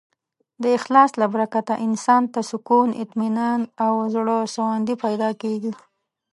د اخلاص له برکته انسان ته سکون، اطمینان او زړهسواندی پیدا کېږي.